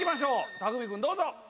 匠海君どうぞ。